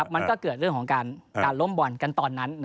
มันก็เกิดเรื่องของการล้มบอลกันตอนนั้น